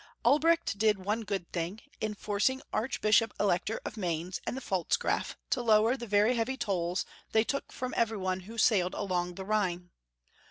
Albreeht did one good thing, in forcing the Arch bishop Elector of Mainz and the Pfalzgraf to lower the very heavy tolls they took from every one who sailed along the Rhine.